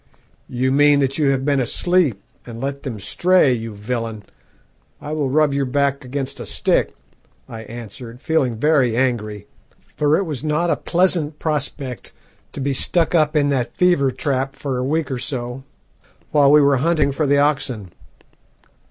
"'You mean that you have been asleep, and let them stray, you villain. I will rub your back against a stick,' I answered, feeling very angry, for it was not a pleasant prospect to be stuck up in that fever trap for a week or so while we were hunting for the oxen.